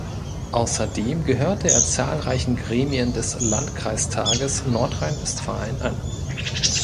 Außerdem gehörte er zahlreichen Gremien des Landkreistages Nordrhein-Westfalen an.